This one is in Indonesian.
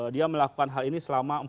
dia melakukan hal ini selama